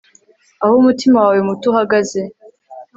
aho umutima wawe muto uhagaze